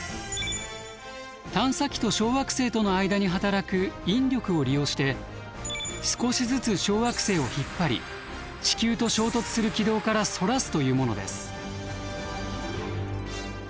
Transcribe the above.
探査機と小惑星との間に働く引力を利用して少しずつ小惑星を引っ張り地球と衝突する軌道からそらすというものです。